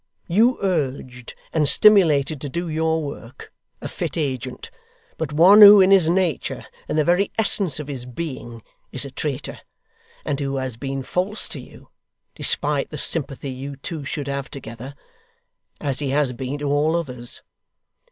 You urged and stimulated to do your work a fit agent, but one who in his nature in the very essence of his being is a traitor, and who has been false to you (despite the sympathy you two should have together) as he has been to all others.